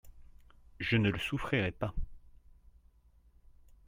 Je ne le souffrirais pas.